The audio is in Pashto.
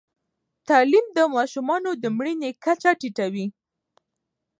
تعلیم د ماشومانو د مړینې کچه ټیټوي.